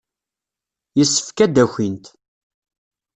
Yessefk ad d-akint.